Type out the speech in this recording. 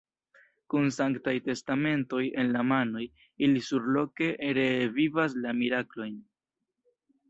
Kun sanktaj testamentoj en la manoj, ili surloke ree vivas la miraklojn.